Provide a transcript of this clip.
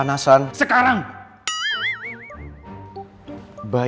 ini pak customer kita kembali